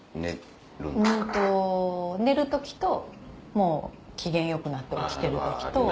んっと寝る時ともう機嫌よくなって起きてる時と。